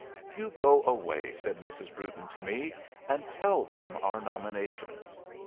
"You go away," said Mrs. Brewton to me, "and tell them our nominations."